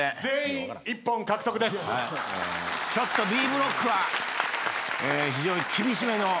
ちょっとＢブロックは非常に厳しめの。